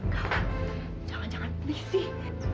kau jangan jangan pedih sih